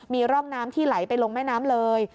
มีร่องน้ำที่ไหลไปลงแม่น้ำเลย